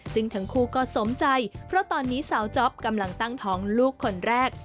ซึ่งทั้งคู่ก็สมใจเพราะตอนนี้สาวจ๊อปกำลังตั้งท้องลูกคนแรก